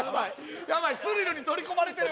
ヤバいスリルに取り込まれてる・